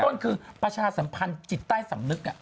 ต้นคือประชาสัมพันธ์จิตใต้สำนึก